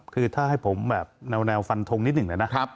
คือถ้าให้ผมแบบแนวฟันทงนิดหนึ่งเลยนะ